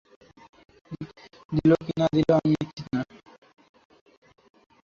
দিলো কি না দিলো আমি নিশ্চিত না।